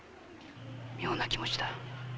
妙な気持ちだ。